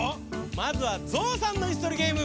まずはゾウさんのいすとりゲーム。